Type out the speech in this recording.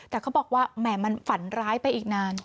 แต่เขาบอกว่าแหม่มันฝันร้ายไปอีกนาน